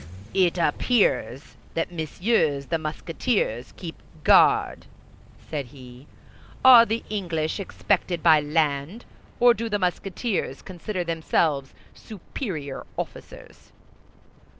"It appears that Messieurs the Musketeers keep guard," said he. "Are the English expected by land, or do the Musketeers consider themselves superior officers?"